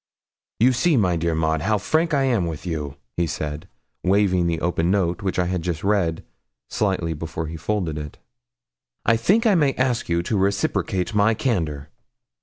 'You see, my dear Maud, how frank I am with you,' he said, waving the open note, which I had just read, slightly before he folded it. 'I think I may ask you to reciprocate my candour.'